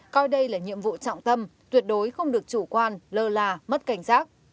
coi đây là nhiệm vụ trọng tâm tuyệt đối không được chủ quan lơ là mất cảnh giác